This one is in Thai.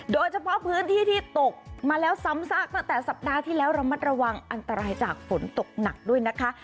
โดยเฉพาะพื้นที่ที่ตกมาแล้วซ้ำซากตั้งแต่สัปดาห์ที่แล้วระมัดระวังอันตรายจากฝนตกหนักด้วยนะคะ